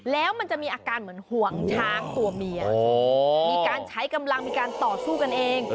แล้วมันจะมีอาการเหมือนห่วงช้างตัวเมียมีการใช้กำลังมีการต่อสู้กันเอง